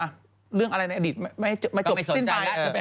หรือเรื่องอะไรในอดีตไม่จบสิ้นไป